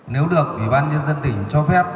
nếu được ủy ban nhân dân tỉnh cho phép